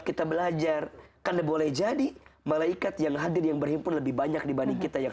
kita belajar karena boleh jadi malaikat yang hadir yang berhimpun lebih banyak dibanding kita yang